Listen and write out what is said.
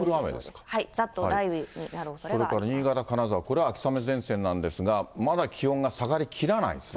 ざっと雷雨になるおそれがあそれから新潟、金沢、これは秋雨前線なんですが、まだ気温が下がりきらないですね。